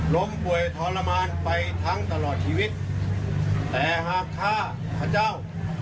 ล้มป่วยทรมานไปทั้งตลอดชีวิตแต่หากข้าพระเจ้า